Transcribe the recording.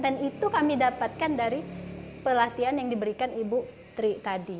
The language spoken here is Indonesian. dan itu kami dapatkan dari pelatihan yang diberikan ibu tri tadi